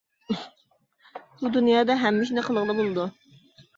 بۇ دۇنيادا ھەممە ئىشنى قىلغىلى بولىدۇ.